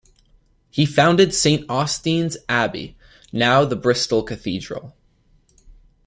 He founded Saint Augustine's Abbey, now the Bristol Cathedral.